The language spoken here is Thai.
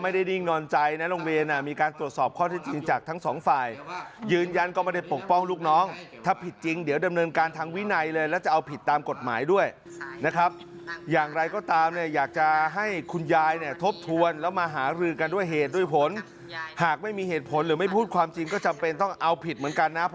นิ่งนอนใจนะโรงเรียนมีการตรวจสอบข้อที่จริงจากทั้งสองฝ่ายยืนยันก็ไม่ได้ปกป้องลูกน้องถ้าผิดจริงเดี๋ยวดำเนินการทางวินัยเลยแล้วจะเอาผิดตามกฎหมายด้วยนะครับอย่างไรก็ตามเนี่ยอยากจะให้คุณยายเนี่ยทบทวนแล้วมาหารือกันด้วยเหตุด้วยผลหากไม่มีเหตุผลหรือไม่พูดความจริงก็จำเป็นต้องเอาผิดเหมือนกันนะ